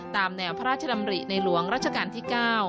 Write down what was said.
ตามแนวพระราชดำริในหลวงรัชกาลที่๙